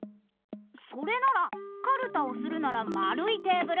それならカルタをするならまるいテーブル。